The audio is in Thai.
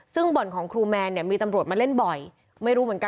ซึ่งบ่อนของครูแม